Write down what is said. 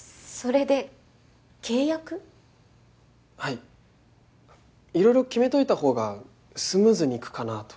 いろいろ決めといたほうがスムーズにいくかなと。